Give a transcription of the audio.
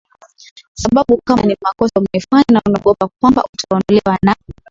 sababu kama ni makosa umefanya na unaogopa kwamba utaondolewa na